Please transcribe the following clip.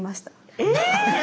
え